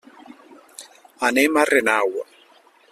Anem a Renau.